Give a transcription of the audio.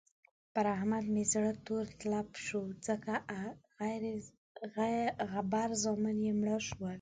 پر احمد مې زړه تور تلب شو ځکه غبر زامن يې مړه شول.